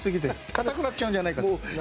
かたくなっちゃうんじゃないかと。